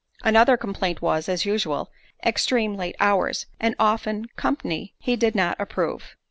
Another complaint was, as usual, extreme late hours, and often company that he did not approve.